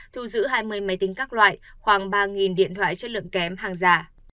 thu giữ hai mươi máy tính các loại khoảng ba điện thoại chất lượng kém hàng giả